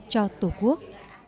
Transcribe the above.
cho tổ quốc